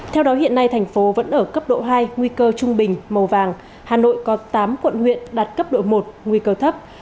theo đó hiện nay thành phố vẫn ở cấp độ hai nguy cơ trung bình màu vàng hà nội có tám quận huyện đạt cấp độ một nguy cơ thấp